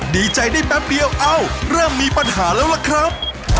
ดีใจได้แป๊บเดียวเอ้าเริ่มมีปัญหาแล้วล่ะครับ